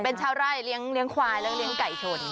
เป็นชาวไร่เลี้ยงควายแล้วก็เลี้ยงไก่ชน